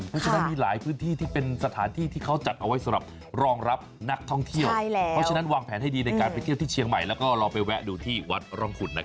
เพราะฉะนั้นมีหลายพื้นที่ที่เป็นสถานที่ที่เขาจัดเอาไว้สำหรับรองรับนักท่องเที่ยวเพราะฉะนั้นวางแผนให้ดีในการไปเที่ยวที่เชียงใหม่แล้วก็ลองไปแวะดูที่วัดร่องขุนนะครับ